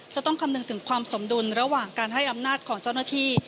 จะต้องคำนึงถึงความสมดุลระหว่างการให้อำนาจของเจ้าหน้าที่